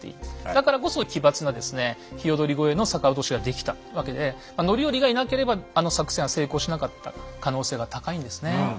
だからこそ奇抜な鵯越の逆落としができたわけで範頼がいなければあの作戦は成功しなかった可能性が高いんですね。